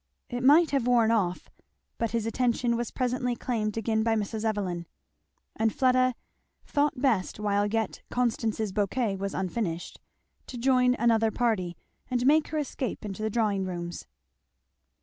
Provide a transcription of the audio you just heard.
It might have worn off, but his attention was presently claimed again by Mrs. Evelyn; and Fleda thought best while yet Constance's bouquet was unfinished, to join another party and make her escape into the drawing rooms.